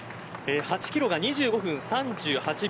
８キロが２５分３８秒。